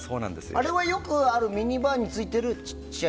あれはよくあるミニバーについている？